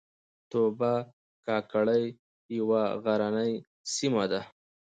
توبه کاکړۍ یوه غرنۍ سیمه ده